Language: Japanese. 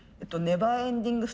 ネバーエンティング。